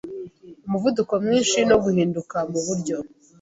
umuvuduko mwinshi no guhinduka muburyo